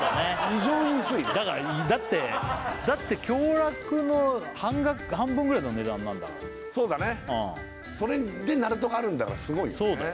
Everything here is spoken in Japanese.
異常に薄いねだってだって共楽の半分ぐらいの値段なんだからそうだねそれでなるとがあるんだからすごいよね